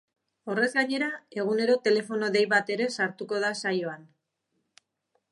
Horrez gainera, egunero telefono dei bat ere sartuko da saioan.